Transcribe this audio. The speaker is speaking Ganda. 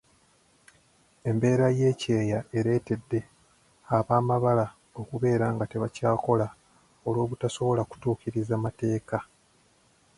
embeera y'ekyeya ereetedde ab'amabala okubeera nga tebakyakola olw'obutasobola kutuukiriza mateeka n'obukwakulizo